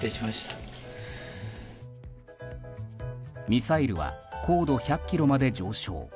ミサイルは高度１００ｋｍまで上昇。